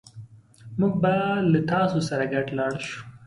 موږ به له تاسو سره ګډ لاړ شو